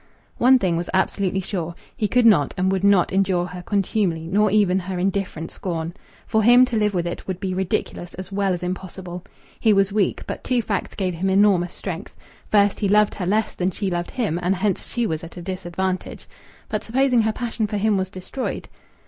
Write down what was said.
One thing was absolutely sure he could not and would not endure her contumely, nor even her indifferent scorn. For him to live with it would be ridiculous as well as impossible. He was weak, but two facts gave him enormous strength. First, he loved her less than she loved him, and hence she was at a disadvantage. But supposing her passion for him was destroyed?